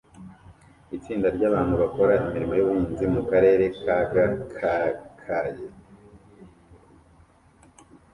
Itsinda ryabantu bakora imirimo yubuhinzi mukarere gakakaye